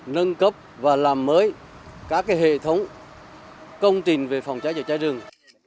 nâng cấp và làm mới các hệ thống công trình về phòng cháy và cháy rừng